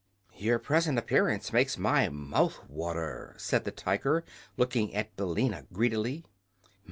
"Your present appearance makes my mouth water," said the Tiger, looking at Billina greedily.